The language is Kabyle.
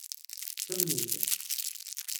Ttamnent-tt.